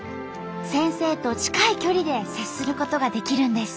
先生と近い距離で接することができるんです。